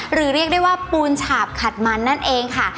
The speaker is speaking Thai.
เรียกได้ว่าปูนฉาบขัดมันนั่นเองค่ะ